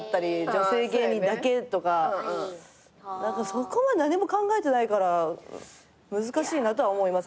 そこまで何も考えてないから難しいなとは思います